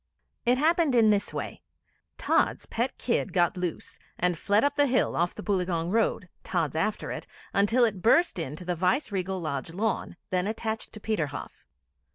It happened this way: Tods' pet kid got loose, and fled up the hill, off the Boileaugunge Road, Tods after it, until it burst in to the Viceregal Lodge lawn, then attached to 'Peterhoff.'